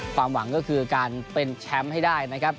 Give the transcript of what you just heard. ความหวังก็คือการเป็นแชมป์ให้ได้นะครับ